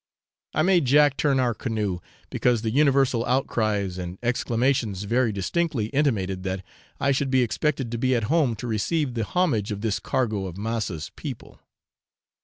I made Jack turn our canoe, because the universal outcries and exclamations very distinctly intimated that I should be expected to be at home to receive the homage of this cargo of 'massa's people.'